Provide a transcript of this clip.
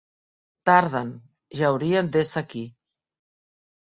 Tarden: ja haurien d'ésser aquí.